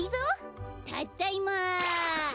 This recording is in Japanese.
たっだいま。